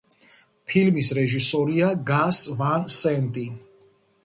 ფილმის რეჟისორია გას ვან სენტი.